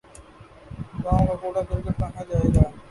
گاؤں کا کوڑا کرکٹ کہاں جائے گا۔